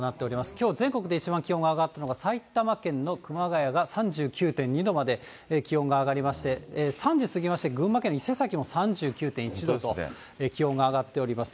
きょう全国で一番気温が上がったのが、埼玉県の熊谷が３９．２度まで気温が上がりまして、３時過ぎまして、群馬県の伊勢崎も３９．１度と、気温が上がっております。